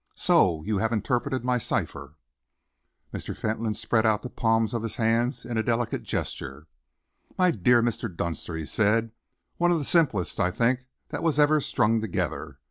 "So you have interpreted my cipher?" Mr. Fentolin spread out the palms of his hands in a delicate gesture. "My dear Mr. Dunster," he said, "one of the simplest, I think, that was ever strung together.